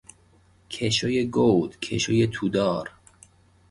کشو گود، کشو تودار